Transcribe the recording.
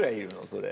それ。